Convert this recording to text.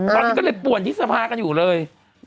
ตอนนี้ก็เลยป่วนที่สภากันอยู่เลย